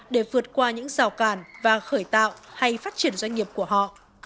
để vượt qua những rào cản và khởi tạo hay phát triển doanh nghiệp của họ